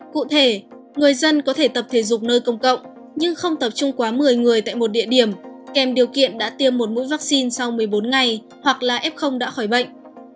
cụ thể người dân có thể tập thể dục nơi công cộng nhưng không tập trung quá một mươi người tại một địa điểm kèm điều kiện đã tiêm một mũi vaccine sau một mươi bốn ngày hoặc là f đã khỏi bệnh